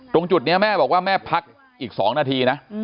ตรงจุดนี้แม่บอกว่าแม่พักอีก๒นาทีนะ